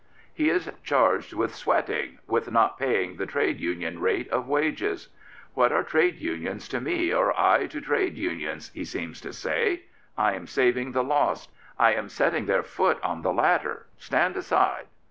'' He is charged with sweating, with not paying the trade union rate of wages. What are trade unions to me or I to trade unions? he seems to say. I am saving the lost; I am setting their foot on the ladder; stand aside.